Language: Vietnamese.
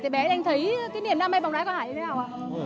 thì bé anh thấy cái niềm đam mê bóng đá của hải như thế nào